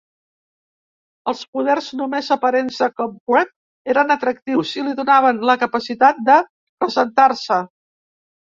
Els poders només aparents de Cobweb eren atractius i li donaven la capacitat de presentar-se.